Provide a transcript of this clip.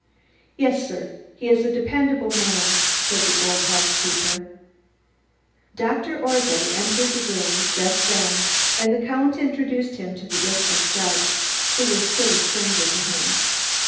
"Yes, sir, he is a dependable man," said the old housekeeper. Dr. Orszay entered the room just then and the Count introduced him to the district judge, who was still a stranger to him.